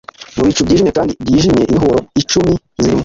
Mubicu byijimye kandi byijimye inhuro icumi zirimo,